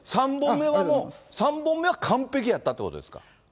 ３本目はもう、３本目は完璧やったってことですか。